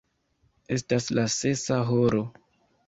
Estas la sesa horo.